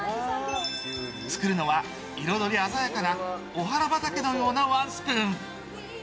作るのは、彩り鮮やかなお花畑のようなワンスプーン。